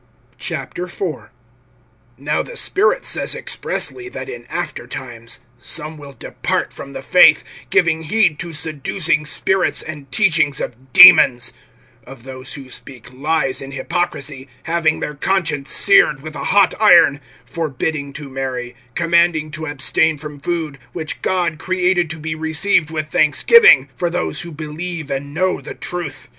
IV. NOW the Spirit says expressly, that in after times some will depart from the faith, giving heed to seducing spirits, and teachings of demons; (2)of those who speak lies in hypocrisy, having their conscience seared with a hot iron; (3)forbidding to marry, commanding to abstain from food, which God created to be received with thanksgiving, for those[4:3] who believe and know the truth.